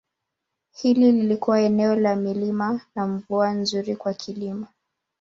Hili lilikuwa eneo la milima na mvua nzuri kwa kilimo.